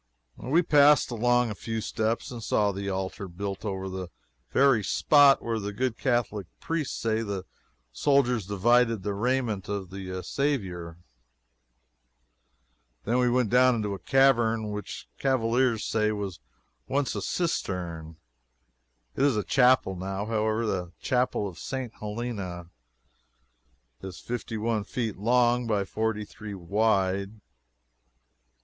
We passed along a few steps and saw the altar built over the very spot where the good Catholic priests say the soldiers divided the raiment of the Saviour. Then we went down into a cavern which cavilers say was once a cistern. It is a chapel, now, however the Chapel of St. Helena. It is fifty one feet long by forty three wide.